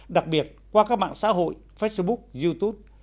đặc biệt qua các mạng xã hội facebook youtube